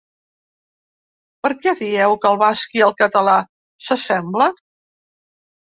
Per què dieu que el basc i el català s’assemblen?